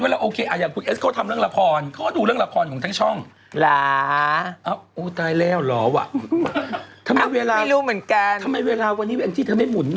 แล้วยังไงต่อ